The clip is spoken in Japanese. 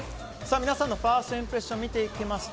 皆さんのファーストインプレッション見ていきますと